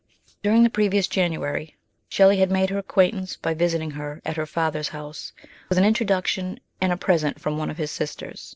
During the previous January Shelley had made her acquaintance by visiting her at her father's house, with an introduction and a present from one of his sisters.